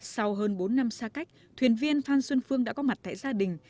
sau hơn bốn năm xa cách thuyền viên phan xuân phương đã có mặt tại gia đình